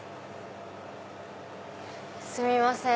すみません。